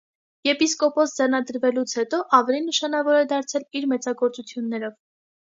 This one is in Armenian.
Եպիսկոպոս ձեռնադրվելուց հետո ավելի նշանավոր է դարձել իր մեծագործություններով։